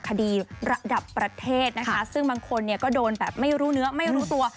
คดีระดับประเทศซึ่งบางคนโดนไม่รู้เนื้อไม่รู้ตัว